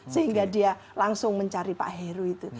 sehingga dia langsung mencari pak heru itu